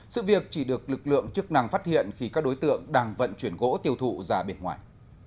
sự việc chỉ được lực lượng chức năng phát hiện khi các đối tượng đang vận chuyển gỗ tiêu thụ ra bên ngoài